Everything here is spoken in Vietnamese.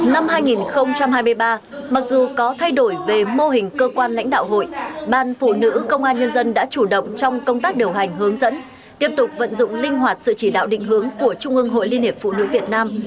năm hai nghìn hai mươi ba mặc dù có thay đổi về mô hình cơ quan lãnh đạo hội ban phụ nữ công an nhân dân đã chủ động trong công tác điều hành hướng dẫn tiếp tục vận dụng linh hoạt sự chỉ đạo định hướng của trung ương hội liên hiệp phụ nữ việt nam